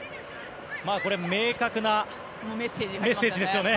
これは明確なメッセージですよね。